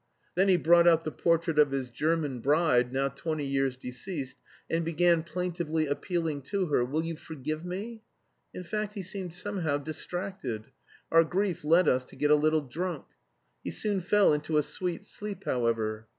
Then he brought out the portrait of his German bride, now twenty years deceased, and began plaintively appealing to her: "Will you forgive me?" In fact he seemed somehow distracted. Our grief led us to get a little drunk. He soon fell into a sweet sleep, however.